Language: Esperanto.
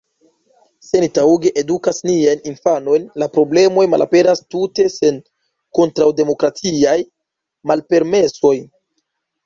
Se ni taŭge edukas niajn infanojn, la problemoj malaperas tute sen kontraŭdemokratiaj malpermesoj.